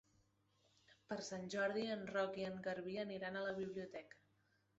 Per Sant Jordi en Roc i en Garbí aniran a la biblioteca.